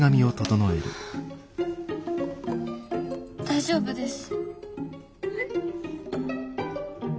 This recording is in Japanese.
大丈夫です。